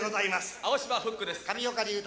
青島フックです。